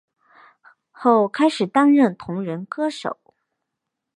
后开始担任同人歌手。